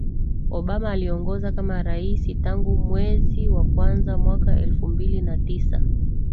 Obama aliongoza kama raisi tangu mwezi wa kwanza mwaka elfu mbili na tisa